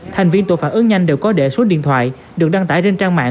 thành viên tội phản ứng nhanh đều có đệ số điện thoại được đăng tải trên trang mạng